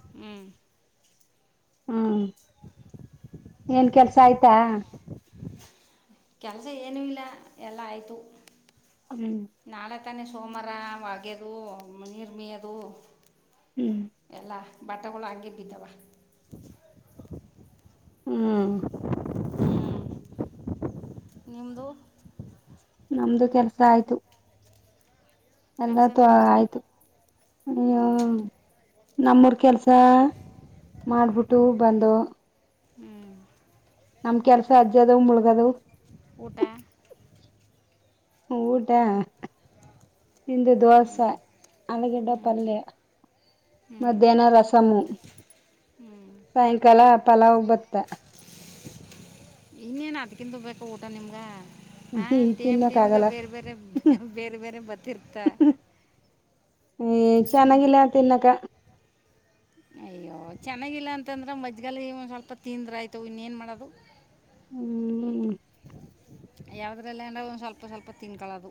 ಹ್ಮ್ ಹ್ಮ ಏನ್ ಕೆಲ್ಸ ಆಯ್ತಾ ಕೆಲ್ಸ ಏನುೂ ಇಲ್ಲ ಎಲ್ಲಾ ಆಯ್ತು ಹ್ಮ್ ಮಾನೇ ಸೋಮವಾರ ಒಗೆ್ಯದು ನೀರ್ಮಿಯದು ಹ್ಮ್ ಎಲ್ಲಾ ಬಟಾವಳ ಆಗೇ ಬಿದವಾ ಹ್ಮ ನೀಮದುು ನಮ್ದು ಕೆಲ್ಸ ಆಯ್ತು ಎಲ್ಲ ತ ಕೆಲಸನೂ ಆಯಿತು ಆಯ್ತು ಹ್ಞೂ ನಮ್ಮೂರ್ ಕೆಲ್ಸ ಮಾಡ್ಬಿಟ್ಟ ೂ ಬಂದು ಹ್ಮ್ ನಮ್ ಕೆಲ್ಸ ಅಜ್ಜ ಅದ್ ಮುಳಗದವು ಗಟಾ ಊಟಾ ಇಂದು ದೋಸೆ ಹಲಗಿಡ್ಡ ಪಲ್ಯ ಹ್ಞೂ ಮಧ್ಯಾಹ್ನ ರಸಮ ಸಾಯಂಕಾಲ ಪಲಾವ ಬತ್ತ ಇನ್ನೇನ್ ಅದ್ಕಿಂದು ಬೇಕ ಊಟ ನಿಮ್ಗ ಹ್ಮ ತಿನ್ನಕ್ಕ ಆಗಲ್ಲ ಬೇರೆ ಬೇರೆ ಬತ್ತಿರ್ತಾ ಹ ಹ್ಞೂ ಚೆನ್ನಾಗಿಲ್ಲ ತಿನ್ನಕ ಅಯ್ಯೋ ಚೆನ್ನಾಗಿಲ್ಲ ಅಂತಂದ್ರ ಮಜ್ಜಗಾಲ ಸ್ವಲ್ಪ ತಿಂದ್ರ ಆಯ್ತು ಇನ್ನೇನ್ ಮಾಡೋದು ಹ್ಮ್ ಯಾವದ್ರಲ್ಲ ಅಏಂದ ಒಂದು ಸ್ವಲ್ಪ ಸ್ವಲ್ಪ ತಿನ್ಕಳದು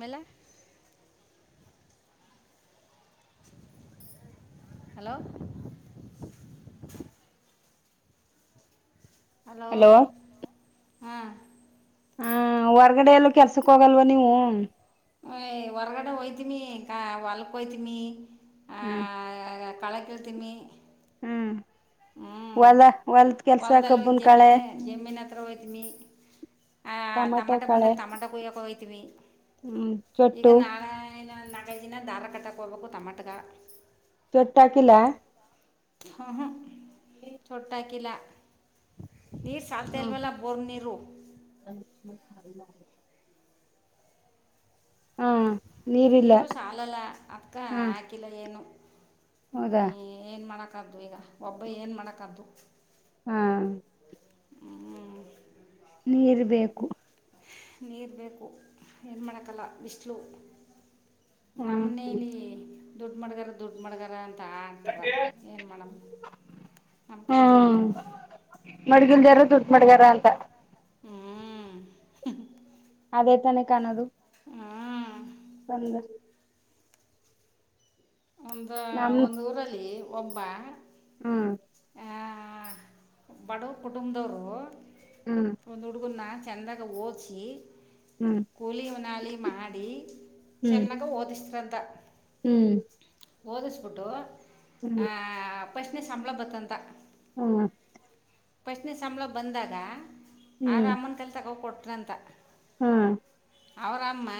ಮೇಲೆ ಹಲೋ ಹಲೋ ಹಾ ಹ ಹೊರ್ಗಡೆ ಎಲ್ಲೂ ಕೆಲ್ಸಕ್ ಹೋಗಲ್ವ ನೀವು ಹೊರಗಡೆ ಒತೀನಿ ಇಕ ಒಲಕಯತಿಮಿ ಆ ಹ್ಮ್ ಕಳಕ್ಕೆ ತಿನಿ ಹ್ಮ ಹ್ಮ್ ಹೊಲ್ದಲ್ಲಿ ಕಬ್ಬನ್ ಕಳೆ ಜಮೀನು ಜಮೀನ್ ಹತ್ರ ಹೋಯ್ತವಿ ಆ ಟಮಾಟೆ ಟಮಾಟೋ ಕಳೆ ಬಂದಾಗ ಟಮಾಟ ಕುಯ್ಯೋಕ ಹೋಯ್ತವಿ ಹ್ಮ್ ಈಗ ಚೊಟ್ಟು ನಾಳೆ ನ ನಾಗೈ ದಿನ ಧಾರ ಕ ತಕೋಬೇಕು ತಮಾಟಕ ಚೊಟಟಾಕಿಲ್ಲ ಹುಹೂ ತೊಟ್ ಅಕಿಲ್ಲ ನೀ ಸಾತಲ್ವೆಲ್ಲ ಬೋರ್ ನೀರು ಮಾಲ ಮಾಡ [unintelligible] ಹಾ ನೀರಿಲ್ಲ ನೀರು ಸಾಲಲ್ಲ ಅದಕ್ಕ ಹಾ ಹಾಕಿಲ್ಲ ಏನು ಹ್ಮ ಹೌದಾ ಏನ್ ಮಾಡ ದ್ದು ಈಗ ಒಬ್ಬ ಏನ್ ಮಾಡಕದ್ದು ಹಾ ನೀರ್ ಬೇಕು ನೀರು ಬೇಕು ನೀರ್ ಮಾಡಕ್ಕಲ್ಲ ಬಿಸಲು ಹ್ಮ್ ನಮ್ಮನೇೆಯಲ್ಲಿ ದುಡ್ಡು ಮಾಡಗಾರ ದುಡ್ಡು ಮಾಡಗಾರ ಆತಾರ ಏನು ಮಾಡಮ್ಮ ನಮ್ಮ ಕಷ್ಟ ಹಿಂಗದ ದುಡ್ ಮಡಗಾರ ಅಂತ ಹ್ಞೂ ಅದೇ ತಾನೆ ಕಾಣೋದು ಹ್ಞೂ ನಲ್ಲ ಒಂದ ಒಂದ್ ಊರಲ್ಲಿ ಒಬ್ಬ ಹ್ಮ ಹಾ ಬಾಡುವ್ರು ಕುಟುಂದವ್ರು ಹ್ಮ್ ಒಂದು ಹುಡುಗುನ್ನ ಚಂದಗ ಓದಿಸಿ ಹ್ಮ್ ಕೂಲಿ ಉನಾಲಿ ಮಾಡಿ ಹ್ಮ್ ಚೆನ್ನಾಗ ಓದಿಸ್ರದ ಅಂತಾ ಹ್ಮ್ ಓದಿಸ್ಬಿಟ್ಟು ಹ್ಮ್ ಪ್ರಶ್ನೆ ಸಂಬಳ ಬತ್ತಂತ ಹ್ಮ ಪ್ರಶ್ನೆ ಸಂಬಳ ಬಂದಾಗ ಆರ ಅಮ್ಮನ್ ಕಲಿ ತಕ ಕೊಟ್ಟ ಅ್ರಂತ ಹ್ಮ ಅವರಮ್ಮ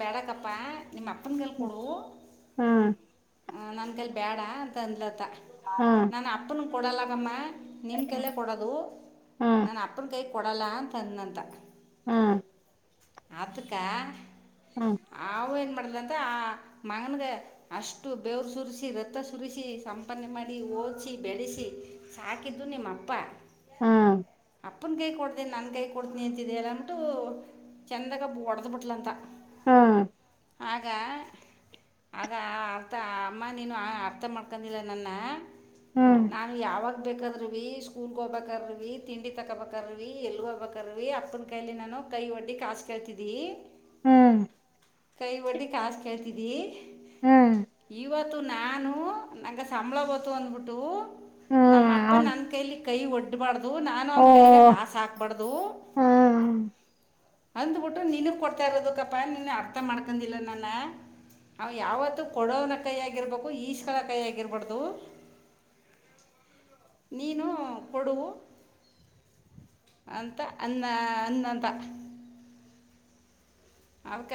ಬೆಡಗಪ್ಪ ನಿಮ್ಮ ಅಪ್ಪನಕೈಲೆ ಹ್ಮ್ ಕೊೊಡು ಹ್ಮ್ ನನ್ ಕಲ್ಲಿ ಬೇಡ ಅಂತ ಅಂದ್ಲತ್ತ ಹ್ಮ್ ನಾನ ಅಪ್ಪನ ಕೊಡಲಾಗಮ್ಮೆ ನಿನ್ ಕೈಲೆ ಕೊಡದು ನ ಅ ಕೈ ಕೊಡಲ್ಲ ಅಂತಂದಂತ ಹಾ ಆತಕ್ಕ ಹ್ಮ ಮಾಡಿದಂತ ಆ ಮಗನಗೆ ಅಷ್ಟು ಬೆೇವರು ಸುರಿಸಿ ರಥ ಸುರಿಸಿ ಸಂಪಾದನೆ ಮಾಡಿ ಓದಿಸಿ ಬೆಳೆಸಿ ಸಾಕಿದ್ದು ನಿಮ್ಮಪ್ಪ ಹಾ ಅಪ್ಪನ ಕೈ ಕೊಡ್ತೀನಿ ನಾನು ಕೈ ಕೊಡ್ತೀನಿ ಅಂತಿದೆಲ್ಲ ಅನ್ಬಟ್ಟು ಚಂದಾಗಬ್ ಒಡೆದ್ಬಿಟ್ಲಂತ ಹಾ ಆಗ ಆಗ ಆ ಅರ್ಥ ಅಮ್ಮ ನೀನು ಆ ಅರ್ಥ ಮಾಡ್ಕೊಂಡಿಲ್ಲ ನನ್ನ ಹ್ಮ್ ನಾನು ಯಾವಾಗ ಹಬ್ಬೇಕಾದ್ರವಿೀ ಸ್ಕೂಲ್ಗೆ ಹೋಗ್ಬೇಕಾರವಿ ತಿಂಡಿ ತಕೋಬೇಕಾರವಿ ಎಲ್ ಹೋಗ್ಬೇಕಾರವಿೀ ಅಪ್ಪನ ಕೈಯಲಿ ನಾನು ಕೈ ಒಡ್ಡಿ ಕಾಸ ಕೇಳ್ತಿದ್ಿ ಹ್ಮ್ ಕೈ ಒಡ್ಲಿ ಕಾಸ ಕೇಳ್ತಿದಿ ಹ್ಮ್ ತ್ತು ನಾನು ನಂಗ ಸಂಬಳ ಬತು ಅಂದ್ಬಿಟ್ಟು ನಮ್ಮ ಹ್ಮ್ ಅಪ್ಪ ಅವನ್ ನನ್ನ ಕೈಲಿ ಕೈ ಒಡ್ಡಿ ಬಾಡದು ನಾನು ಓ ಒಂದ ಕೈಗ ಕಾಸ ಹಾಕ್ಬಾರ್ದು ಹ್ಮ್ ಅಂದ್ಬಿಟ್ಟು ನಿನಗೆ ಕೊಡ್ತಾಯಿರೋದಕ್ಕಪ್ಪಾ ನೀನ್ನ ಅರ್ಥ ಮಾಡ್ಕೊಂಡಿಲ್ಲ ನನ್ನ ಅವ ಯಾವತ್ತುೂ ಕೊಡವನ ಕೈ ಆಗಿರ್ಬೇಕು ಈಸ್ಕೊಳೋ ಕೈ ಆಗಿರಬಾರ್ದು ನೀನು ಕೊಡು ಅಂತ ಅನ್ನ ಅನ್ನಂದ ಅವಗ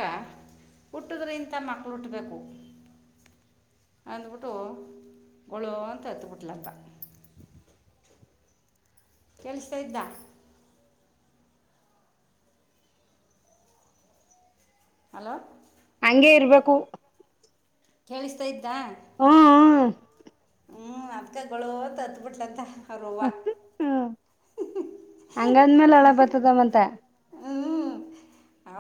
ಹುಟ್ಟಿದ್ರ ಇಂತ ಮಕ್ಳು ಹುಟ್ಬೇಕು ಅಂದ್ಬಿಟ್ಟು ಗೊಳೋ ಅಂತ ಹತ್ಬಿಟ್ಲಪ್ಪ ಕೆಲ್ಸ್ತಾ ಇದ್ದ ಹಲೋ ಹಗೆ ಇರ್ಬೇಕು ಕೇಳಿಸ್ತಾ ಆಯ್ತಾ ಹ್ಮ್ ಹ್ಮ್ ಹ್ಞೂ ಅದಕಾಯಗಳುತ್ತು ಹತ್ಬಿಟ್ಲಂತ ಕರೋವ ಹ್ಮ್ ಹ್ಮ್ ಹಂಗಂದ್ಮೇಲೆ ಹಳ ಬರ್ತದವಂತ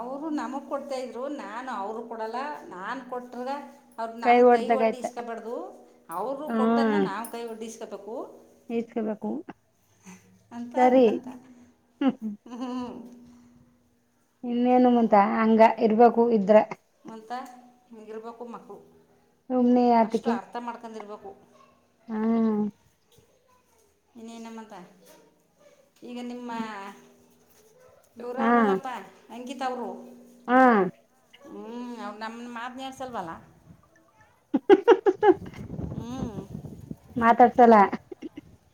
ಅವರು ನಮ ಕೊಡ್ತಾ ಇದ್ರು ರು ನಾನು ಅವರು ಕೊಡಲ್ಲ ನಾನು ಕೊಟ್ರುವೆ ಅವ್ರ ನಮ ಕೈ ಒಡ್ಡಿ ಇಸ್ಕಬಾರಡ್ದು ಅವರು ಕೊಟ್ಟದ ನಾವು ಕೈ ಒಡ್ ಎಸ್ಕಬೇಕು ಇಸ್ಕಬೇಕು ಅಂತ ಅಂತ ಸರಿ ಅಂದಂತ ಹ್ಮ್ ಹ್ಮ್ ಹ್ಞೂ ಇನ್ನೇನು ಮಂತ ಹಂಗ ಇರ್ಬೇಕು ಇದ್ರ ಮಂತ ಹಿಂಗಿರ್ಬೇಕು ಮಕ್ಳು ಸುಮ್ನೆ ಯಾತಕ್ಕೆ ಹ್ಮ ಹಾ ಇನ್ನೇನ ಮತ್ತ ಈಗ ನಿಮ್ಮ ನೂರ ಹಾ ಅವರಲ್ಲಪ್ಪ ಅಂಕಿತಾ ಅವರು ಹಾ ಹ್ಮ್ ಅವ್ರ್ ನಮ್ನ್ ಮಾತೇ ಆಡ್ಸಲ್ವಲ್ಲ [unintelligible] ಹ್ಞೂ ಮಾತಾಡ್ಸಲ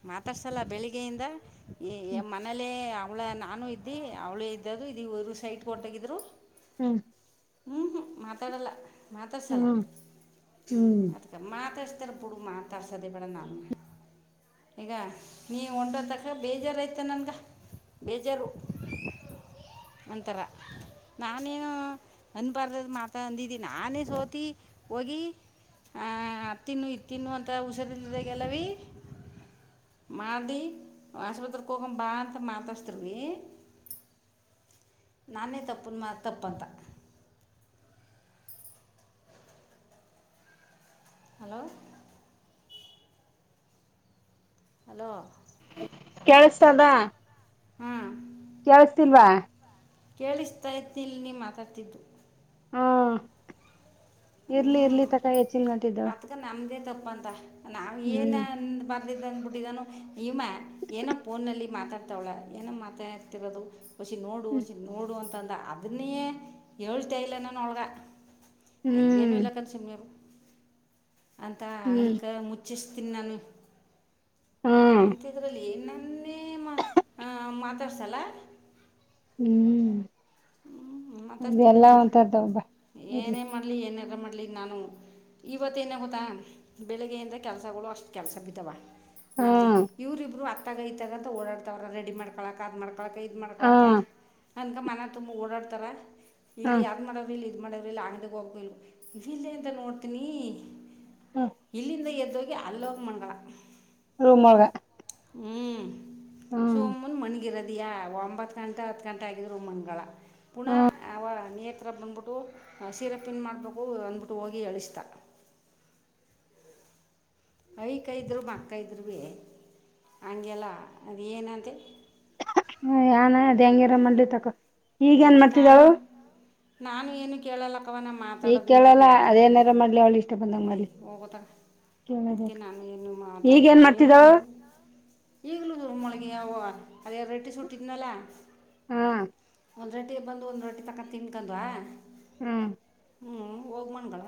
ಮಾತಾಡ್ಸಲ್ಲ ಬೆಳಿಗ್ಗೆಯಿಂದ ಈ ಮನಲಿ ಅವಳ ನಾನು ಇದ್ದಿ ಅವ್ಳೇ ಇದ್ದದು ಇದ ಇರು ಸೈಟ್ ಕೊಟ್ಟಾಗಿದ್ರು ಹ್ಮ್ ಹ್ಮ್ ಹ್ಮ್ ಮಾತಾಡಲ್ಲ ಮಾತಾಡ್ಸಲ ಹ್ಮ್ ಹ್ಮ್ ಅದಕ್ಕೆ ಮಾತಾ ಇರ್ತರ ಬುಡ್ ಮಾತಾಡ್ಸದೇ ಬೇಡ ನಮ್ನ ಈಗ ನೀ ಹೊನ್ಟೊತಕ್ಕ ಬೇಜಾರು ಯ್ತ ನನ್ಗ ಬೇಜಾರು ಅಂತಾರ ನಾನೇನು ಅನ್ಬಾರ್ದದ ಮಾತಾ ಅಂದಿದ್ದಿ ನಾನೇ ಸೋತಿ ಹೋಗಿ ಆ ಹ ತಿನ್ನು ಇ ತಿನ್ನು ಅಂತ ಹುಸಿರಿಲ್ದಾಗೆಲ್ಲಾವೀ ಮಾಡಿ ಆಸ್ಪತ್ರೆಗೆ ಹಕೊ ಬಾ ಅಂತ ಮಾತಾಸ್ತರೀ ನಾನೇ ತಪ್ಪನ್ ಮಾ ತಪ್ಪಂತ ಹಲೋ ಹಲೋ ಕೇಳಿಸ್ತದಾ. ಹ್ಮ್. ಕೇಳಸ್ತಿಲ್ವಾ. ಕೇಳಿಸ್ತಾ ಇದಿಲ್ ನೀ ಮಾತಾಡ್ತಿದ್ದು. ಹ್ಮ. ಇರ್ಲಿ ಇರ್ಲಿ ತಕ ಏಸ್ ಅತ್ಕ ನಮ್ದ ತಪ್ಪ ಪಂದ ನಾವವು ಏನ್ ಹ್ಮ್ ಅಂದ್ಬಿಟ್ಟಿದಾನು ಇವ ಏನೋ ಫೋನಲ್ಲಿ ಮಾತಾಡ್ತಾವಳ ಏನೋ ಮಾತಾಡ್ತಿರೋದು. ಹಷಿ ನೋಡು ಹಷಿ ನೋಡು ಅಂತ ಅ ಅದನ್ನಯೇ ಹೇಳ್ತನಾ ಅವಾಗ ಎಯ್ಯನು ಹ್ಮ್ ಇಲ್ಲ ಕನ ಸುಮ್ನೆ ಇರು. ಅಂತ ಹ್ಮ್ ಅನ್ಕ ಮುಚ್ಚಿಷ್ಟ ಇನ್ನಾನ ಹ್ಮ್ ಅಂತಿದ್ರಲ್ಲಿ ಏನ್ ಅನ್ನೇ ಮಾತಾಡ್ಸಲ್ಲ. ಹ್ಮ್. ಹ್ಮ್ ಮಾತಾಡ್ತರಿ ಅದೆಲ್ಲ ಇಲ್ಲಿ ಒಂತದ್ದ ಒಬ್ಬ ಇರ್ಲಿ ಏನೇ ಮಾಡ್ಲಿ ಏನೆಲ್ಲ ಮಾಡ ನಾನು ಇವತ್ತ ಏನೇ ಗೊತ್ತಾ ಬೆಳಿಗ್ಗೆಯಿಂದ ಕೆಲಸಗಳು ಅಷ್ಟು ಕೆಲಸ ಬಿದ್ದಾವ. ಮಾಡಲಿ ಹ್ಮ್ ಇವರಿಬ್ರು ಆ ತಗೈತದಂತ ಓಡ್ತವ್ರ ರೆಡಿ ಮಾಡ್ಕಳಕ್ ಅ್ ಮಾಡ್ಕ ಕಕೊಳಕ ಇದು ಹ್ಮ್ ಮಾಡ್ಕೊಳಾಕ. ಅನಕ ಮನ ತುಂಬಾ ಓಡಾಡ್ತಾರ. ಇಲ್ಲಿ ಹ್ಮ್ ಯಾರ್ ಮಾಡ್ ಇಲ್ಲಿ. ಇ ಮಾಡ್ರ ಇಲ್ಲ ಅಂಗಡಗ್ ಹೋಗ ಇಲು ಇವ ಇಲ್ಲ ಎಂತ ನೋಡ್ತೀನಿ. ಹ್ಮ ಇಲ್ಲಿಂದ ಎ್ದ ಜೊತೆಗೆ ಅಲ್ಲೋಗ ಮಾಡ ಹೂಮಗ ಹ್ಮ್. ಸೋಮನ್ ಮಣಿ ಹ ಇರದೀ ಒಂಬತ್ ಗಂಟಾ ಹತ್ ಗಂಟೆ ಆಗಿದ್ರು ಮಂಗಳ ಪುನಃ ಆ ನೀ ಆತ್ತತ್ರರ ಬಂದ್ಬಿಟ್ಟು ಸಿರಪ್ ನು ಮಾಡಬೇಕು ಅಂದ್ಬಿಟ್ಟು ಹೋಗಿ ಎಳಿಸ್ತ ಯ ಕೈರು ಅಕ್ಕ ಇದ್ರು ಭೀ ಹಗೆಲ್ಲ ಅದು ಏನಂತೆ ಹ ಯನ್ ಅದ ಅಂಗಿರ ಮಲಿ ತಕ ಯ ನಾನು ನಾನು ಏನು ಕೇಳಲಕ್ಕವ ನಾ ಈಗ ಮಾತಾಡೋದು ಇಲ್ಲದ ಕೇಳಲ್ಲ ಯಾತಿಗೆ ಅದೇನಾರ ಮಾಡ್ಲಿ ಅವಳ ಇಷ್ಟ ಬಂದಂಗ ಯ ಮಾಡ್ಲಿ ಹೋಗದ ಅದಕ್ಕೆ ಕೇಳಬೇಕ ನಾನು ಏನು ಮಾತಾಡ ಈಗ ಏನ್ ಏನು ಮಾಡ್ತಿದಾಳು ಈಗಲೂ ದುರ್ಮೊಳಗ ಯಾವ ಅದ ರಟಿ ಸೂಟ್ಟಿನಲ್ಲಾ ಹಾ ಒಂದು ರೊಟ್ಟಿಗೆ ಬಂದು ಒಂದು ರೊಟ್ಟಿ ತಕ್ಕೊಂಡು ತಿನಡ್ವಾ ಹ್ಮ್ ಹ್ಞೂ ಹೋಗಿ ಮಣ್ಗಳಳ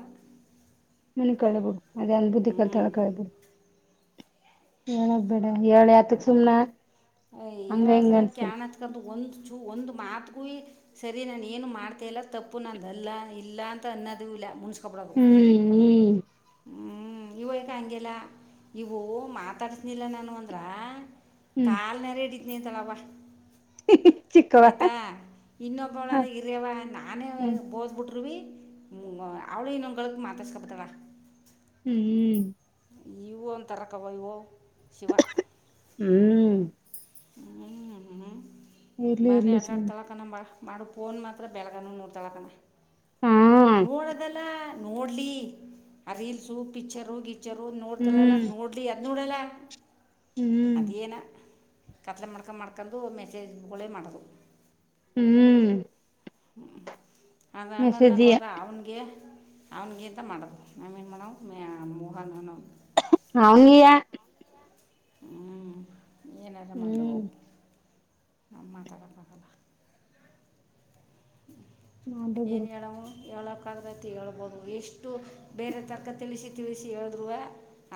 ಕಬುದು ಅದೇ ಅನ್ಬುದ್ಧಿ ಕಲ್ತಳ ಕಳ್ರರಿ ಏನಗ್ಬೇಡ ಏಳ್ ಯತಕ್ ಸುಮ್ನೆ ಅಯ ಹೇಳದ್ರ ಕಾಣ ಹತ್ಕಂತ ಒಂದ ಒಂದು ಮಾತಗೂ ಸರಿ ನಾನ ಏನು ಮಾಡ್ತ ಇಲ್ಲ ತಪ್ಪು ನ ಅಲ್ಲ ಇಲ್ಲ ಅಂತ ಅನ್ನೋದು ಇಲ್ಲ ಹ್ಮ್ ಹ್ಮ್ ಹ್ಮ್ ಇವ ಈಗ ಹಂಗಿಲ್ಲ ಇವು ಮಾತಾಡ್ತನಿಲ್ಲ ನಾನು ಅಂದ್ರ ಹ್ಮ್ ಕಾಲ್ ನರ ಇಡಿ ಇ ಇತಲವಾ ಚಿಕ್ಕವ ಆಯ್ತಾ ಇನ್ನೊಬ್ಬಳ ಇರ್ಯವ ನಾನೇ ಹ್ಮ್ ಓದ್ಬಿಟ್ರುವಿ ಅವ್ಳ ಇನ್ನೊ ಮಾತಾಸ್ಪತಳ ಹ್ಮ್ ಹ್ಮ್ ಇವು ಅಂತರಕ್ಕವ ಇವೋ ಶಿವ ಹ್ಮ್ ಹ ಇರ್ಲಿ ಬ್ರ ಇರ್ಲಿ ಆಟಲ ಸುಮ್ನೆ ಆಡ್ತಾಳ ಕ ನಂಬ ಮಾಡೋ ಫೋನ್ ಮಾತ್ರ ಬೆಳಗಾನ ನೋಡ್ತಾಳಕಣ ಹಾ ನೋಡದೆಲ್ಲ ನೋಡ್ಲಿ ಅ ರಲ್ಸೂ ಪಿಚ್ಚರ್ ಹೋಗಿ ಜರರ್ ನೋಡ್ತಲಲ್ಲ ಹ್ಮ್ ನೋಡ್ಲಿ ನುಡಲ ಹ್ಮ್ ಕತ್ಲೆ ಮಾಡ್ಕೊ ಮಾಡ್ಕೊಂಡು ಮೆಸೇಜ್ಗಳೇ ಮಾಡೋದು ಹ್ಮ್ ಹ್ಮ್ ಅದು ಹಂಗನ್ನಕ ಮೆಸೇಜಿಯ ಹೋದ್ರೆ ಅವನಿಗೆ ಅವ್ನ ಗೀತ ಮಾಡದು ನವುನು ಮಾಡವು ಮ ಮೋಹನನವು ಅವನಿಯಾ ಏನರ ಮಾಡಂದು ಹೋ ಹ್ಮ್ ನಾವ್ ಮಾತಾಡಕ್ಕೆ ಆಗಲ್ಲ ಮಾಡ್ಲಿ ಬಿಡು ಏನು ಹೇಳವು ಹೇಳೋಕ್ಕಾಗದೈತಿ ಹೇಳ್ಬೋದು ಎಷ್ಟು ಬೇರೆ ತರಕ ತಿಳಿಸಿ ತಿಳಿಸಿ ಹೇಳಿದ್ರುವ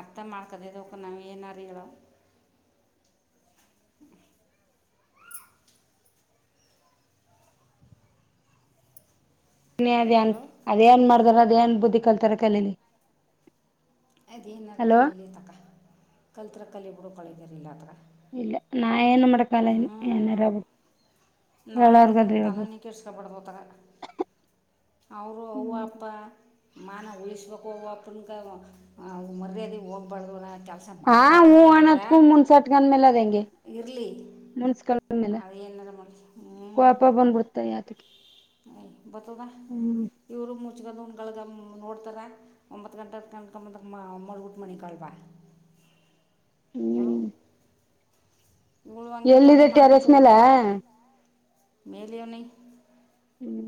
ಅರ್ಥ ಮಾಡ್ಕದದವಕ ನಾವು ಏನಾರು ಹೇಳ ಅದ ಅ ಅಲೋ ಅದ ಏನ್ ಮಾಡ್ದಾರ ಏನ್ ಬುದ್ಧಿ ಕಲ್ತಾರ ಕಲಲಿ ಅದೀನರ ಕಾಲಿಲಿ ತಕ್ಕ ಕಲ್ತ್ರ ಕಲೆ ಬಿಡು ಕಳಿದಾರ ಇಲ್ಲ ಹತ್ರ ಇಲ್ಲ ನಾ ಏನು ಮಾಡೋಕಾಗಲ್ಲ ಏನಾರ ನಾಮೆತಿಕ ಹೇಳವಗಾದ ತಲೆನೇ ಕೆಡ್ಸ್ಕೊಬಾರ್ದು ತಗ ಅವರು ಅವ್ವ ಹ್ಮ ಅಪ್ಪ ಮಾನ ಉಳಿಸ್ಬೇಕುೋಗ ಅಪನಕ ವು ಮರ್ಯದ ಹೋಗ್ಬಾರ್ದುಲ್ಲ ಹಾ ಹೂ ಅಣದಕೂ ಮುನ್ಸಟ್ಗಂದ ಮೇಲೆ ಹೆಂಗಗೆ ಇರಲಿ ಅದೇಏನಲ್ಲ ಮಾಡಲಿ ಹ್ಞ ಕೋಪ ಬಂದ್ಬಿಡ್ತ ಯಾತಕ್ಕೆ ಹ್ಮ ಬತದ ಹ್ಮ್ ಇವರು ಮು ಗಳಾದ ನೋಡ್ತಾರ ಒಂಬತ್ ಗಂಟ ಹತ್ ಮಲಿಕ್ಕಳಾಡ್ ಮಣಿ ಕಾಲ್ವ ಹ ಹ್ಮ್ ಎಲ್ಲಿದೆ ಟೆರೇಸ್ ಮೇಲ ಮಲೆೋನ ಹ್ಮ್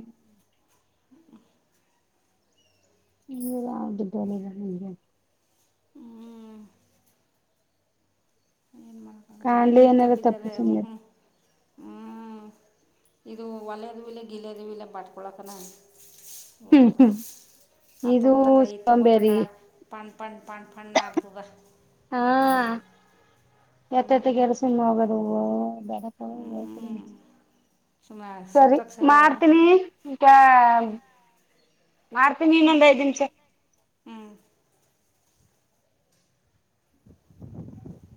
ಹ್ಮದು ನಿಗೆ ಏನು ಮಾಡೋಕ್ಕಾಗಲ್ಲ ಏನು ಕಾಣಲಿ ಅನರ ಹಿಡ್ಕೊಬಿದ್ದಾರೆ ತಪ್ಪುಸಂದ ಹ್ಞೂ ಹ್ಞೂ ಇದು ಒಲೆಯದು ಇಲ್ಲ ಗಿಿಲ್ಲದೂ ಇಲ್ಲ ಬಟ್ಕೊಳಕನ ಹ್ಮ್ ಹದ ಹ್ಮ್ ಆ ತ ಇದು ಗೊತಕ್ಕ ಈ ತ ಗೊತಕ್ಕ ಸೋಂಬೇರಿ ಪಂ ಪಂ ಪನ್ಫಣನ್ನ್ದ ಅ ಎತ್ತತ್ತ ಕೆರಸಿಮ ಹೋಗೋದು ಹ್ಞೂ ಸುಮ್ಮನೆ ಸರಿ ಸುತ್ತಕ್ಕೆ ಸರಿಯಾಗದ ಮಾಡ್ತೀನಿ ಈಗ ಮಾಡ್ತೀನಿ ಹ್ಞೂ ಇನ್ನೊಂದ್ ಐದ್ ನಿಮಿಷ ಹ್ಞೂ [inaudible]